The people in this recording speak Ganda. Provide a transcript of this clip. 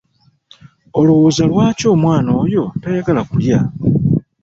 Olowooza lwaki omwana oyo tayagala kulya?